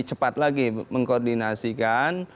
cepat lagi mengkoordinasikan